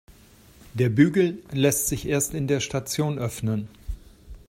Der Bügel lässt sich erst in der Station öffnen.